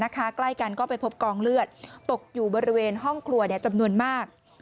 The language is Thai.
ใกล้กันก็ไปพบกองเลือดตกอยู่บริเวณห้องครัวจำนวนมาก